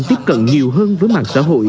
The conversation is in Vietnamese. tiếp cận nhiều hơn với mạng xã hội